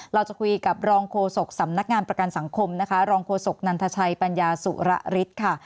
เราจะคุยกับรองโฆษกสำนักงานประกันสังคมนะคะรองโฆษกนันทชัยปัญญาสุระฤทธิ์ค่ะ